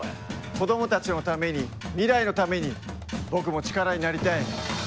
子どもたちのために未来のために僕も力になりたい！